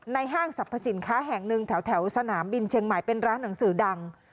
ห้างสรรพสินค้าแห่งหนึ่งแถวสนามบินเชียงใหม่เป็นร้านหนังสือดัง